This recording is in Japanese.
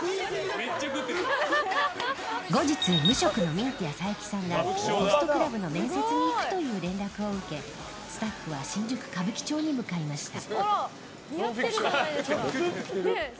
後日、無職のミンティア佐伯さんがホストクラブの面接に行くという連絡を受けスタッフは新宿・歌舞伎町に向かいました。